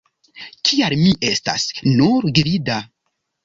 Kial mi estas "nur gvida"?